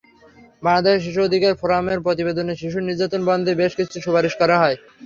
বাংলাদেশ শিশু অধিকার ফোরামের প্রতিবেদনে শিশু নির্যাতন বন্ধে বেশ কিছু সুপারিশ করা হয়।